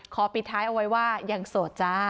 ปิดท้ายเอาไว้ว่ายังโสดจ้า